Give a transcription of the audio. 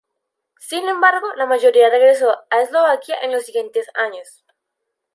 Sin embargo la mayoría regresó a Eslovaquia en los siguientes años.